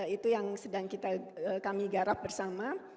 itu yang sedang kami garap bersama